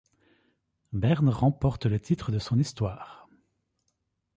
Berne remporte le titre de son histoire.